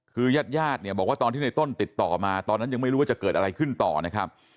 คือญาติญาติเนี่ยบอกว่าตอนที่ในต้นติดต่อมาตอนนั้นยังไม่รู้ว่าจะเกิดอะไรขึ้นต่อนะครับ